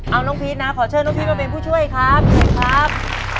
เอาน้องพีชนะขอเชิญน้องพีชมาเป็นผู้ช่วยครับ